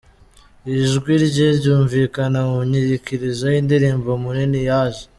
Ijwi rye ryumvikana mu nyikirizo y’indirimbo ‘Munini yaje’.